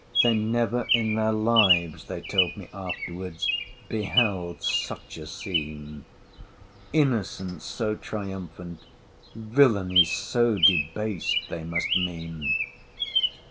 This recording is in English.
They never in their lives, they told me afterwards, beheld such a scene—— Innocence so triumphant: villany so debased, they must mean!